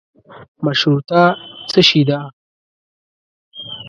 مشروطه څشي ده.